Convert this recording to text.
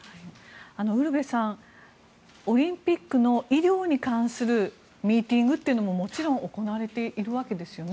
ウルヴェさんオリンピックの医療に関するミーティングというのももちろん行われているわけですよね。